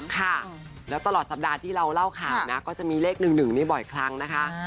ค่ะแล้วตลอดสัปดาห์ที่เราเล่าข่าวนะก็จะมีเลข๑๑นี่บ่อยครั้งนะคะ